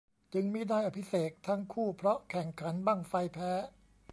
จึงมิได้อภิเษกทั้งคู่เพราะแข่งขันบั้งไฟแพ้